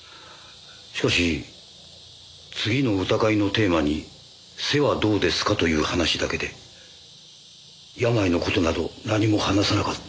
しかし次の歌会のテーマに「背」はどうですかという話だけで病の事など何も話さなかった。